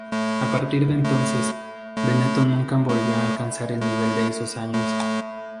A partir de entonces, Benetton nunca volvió a alcanzar el nivel de esos años.